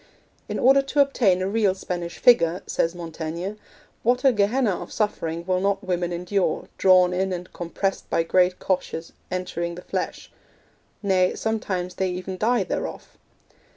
'In order to obtain a real Spanish figure,' says Montaigne, 'what a Gehenna of suffering will not women endure, drawn in and compressed by great coches entering the flesh; nay, sometimes they even die thereof.'